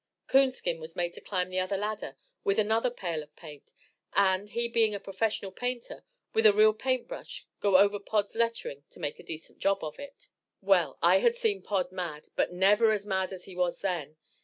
Coonskin was made to climb the other ladder with another pail of paint, and, he being a professional painter, with a real paint brush go over Pod's lettering to make a decent job of it. Well, I had seen Pod mad, but never as mad as he was then.